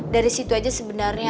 dari situ aja sebenarnya